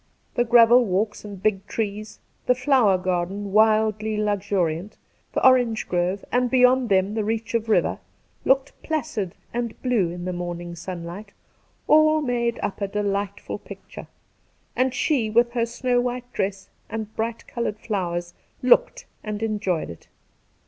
The gravel walks and big trees, the flower garden wildly luxuriant, the orange grove, and beyond them the reach of river, looking placid and blue in the morning sunlight, all made up a delightful picture ; and she, with her snow white dress and bright coloured flowers, looked and enjoyed it.